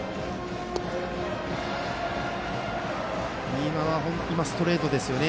今のはストレートですよね。